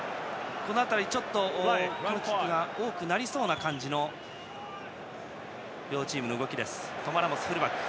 この辺りキックが多くなりそうな感じの両チームの動きです。